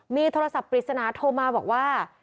มีโทรศัพท์ปริศนาโทรมาบอกว่า